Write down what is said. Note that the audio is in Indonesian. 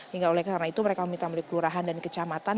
hingga oleh karena itu mereka meminta melalui kelurahan dan kecamatan